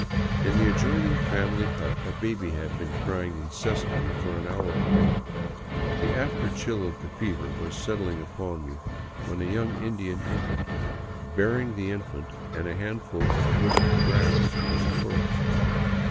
In the adjoining family hut a baby had been crying incessantly for an hour or more. The afterchill of the fever was settling upon me when a young Indian entered, bearing the infant, and a handful of twisted grass as torch.